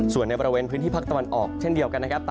ส่วนในบริเวณพื้นที่ภาคตะวันออกเช่นเดียวกันนะครับ